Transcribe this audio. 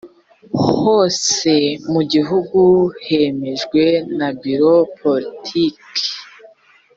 hose mu gihugu hemejwe na biro politiki